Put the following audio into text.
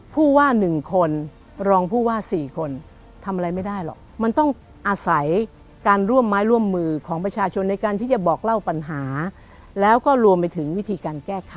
ผู้ว่า๑คนรองผู้ว่า๔คนทำอะไรไม่ได้หรอกมันต้องอาศัยการร่วมไม้ร่วมมือของประชาชนในการที่จะบอกเล่าปัญหาแล้วก็รวมไปถึงวิธีการแก้ไข